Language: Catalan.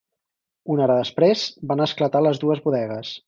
Una hora després, van esclatar les dues bodegues.